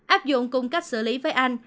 áp dụng cùng cách xử lý với áp dụng